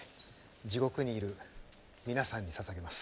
地獄にいる皆さんにささげます。